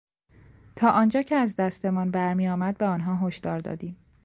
تا آنجا که از دستمان بر میآمد به آنها هشدار دادیم.